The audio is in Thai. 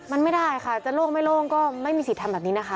มันไม่ได้ค่ะจะโล่งไม่โล่งก็ไม่มีสิทธิ์ทำแบบนี้นะคะ